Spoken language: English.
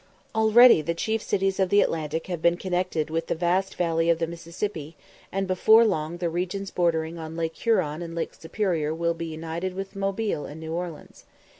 Already the chief cities of the Atlantic have been connected with the vast valley of the Mississippi, and before long the regions bordering on Lake Huron and Lake Superior will be united with Mobile and New Orleans.